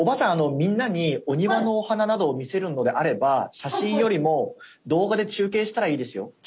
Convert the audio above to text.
みんなにお庭のお花などを見せるのであれば写真よりも動画で中継したらいいですよ。